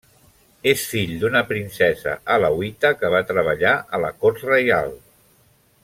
És fill d'una princesa alauita que va treballar a la cort reial.